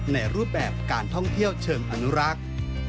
ในรูปแบบการท่องเที่ยวเชิงอนุรักษ์